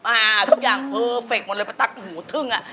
อ่าทุกอย่างเพอร์เฟคหมดเลยป้าตั๊กหูทึ่งอ่ะ